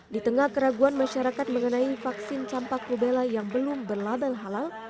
di tengah keraguan masyarakat mengenai vaksin campak rubella yang belum berlabel halal